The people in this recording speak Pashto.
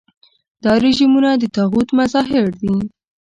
دا رژیمونه د طاغوت مظاهر دي.